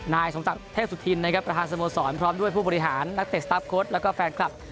นายสมศักดิ์เทพสุธินนะครับประธานสโมสรพร้อมด้วยผู้บริหารนักเตะสตาร์ฟโค้ดแล้วก็แฟนคลับ